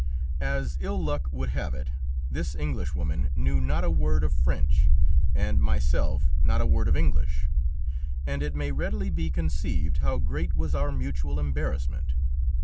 As ill luck would have it, this Englishwoman knew not a word of French, and myself not a word of English, and it may readily be conceived how great was our mutual embarrassment.